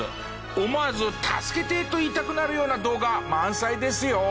思わず「助けて！」と言いたくなるような動画満載ですよ。